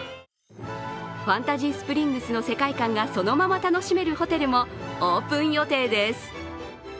ファンタジースプリングスの世界観がそのまま楽しめるホテルもオープン予定です。